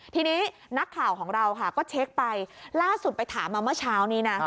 ทีนี้นักข่าวของเราค่ะก็เช็คไปล่าสุดไปถามมาเมื่อเช้านี้นะ